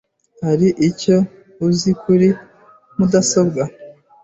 Hari icyo uzi kuri mudasobwa?